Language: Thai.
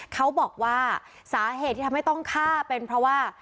เขาบอกว่าสาเหตุที่ทำให้ต้องฆ่าเป็นเพราะว่า